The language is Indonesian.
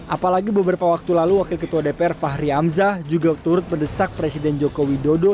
apalagi beberapa waktu lalu wakil ketua dpr fahri hamzah juga turut mendesak presiden joko widodo